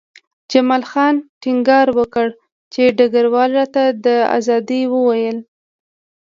جمال خان ټینګار وکړ چې ډګروال راته د ازادۍ وویل